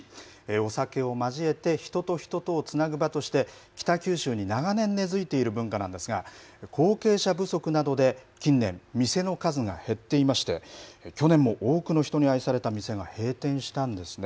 お酒を交えて、人と人とをつなぐ場として、北九州に長年、根づいている文化なんですが、後継者不足などで、近年、店の数が減っていまして、去年も多くの人に愛された店が閉店したんですね。